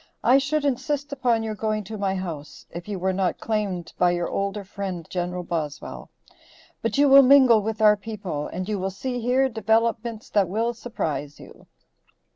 I should insist upon your going to my house, if you were not claimed by your older friend Gen. Boswell. But you will mingle with our people, and you will see here developments that will surprise you."